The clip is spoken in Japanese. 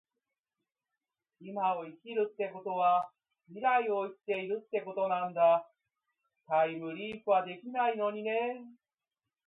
今を生きるってことは未来を生きているってことなんだ。タァイムリィプはできないのにね